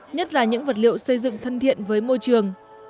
nhất là những vật liệu xây dựng thân thiện với môi trường